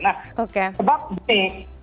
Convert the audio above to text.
nah sebab ini